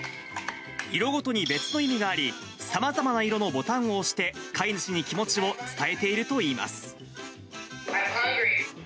色ごとに別の意味があり、さまざまな色のボタンを押して、飼い主に気持ちを伝えているといいます。